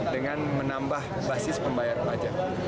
dengan menambah basis pembayar pajak